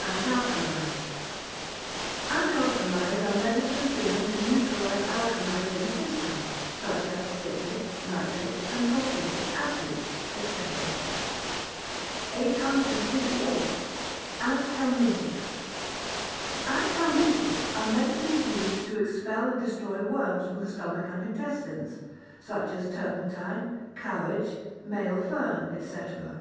Antalkalies Antalkalies are medicines given to neutralize alkalies in the system, such as citric, nitric, and sulphuric, acids, &c. 858. Anthelmintics Anthelmintics are medicines used to expel and destroy worms from the stomach and intestines, such as turpentine, cowhage, male fern, &c. 859.